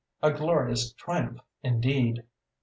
A glorious triumph, indeed!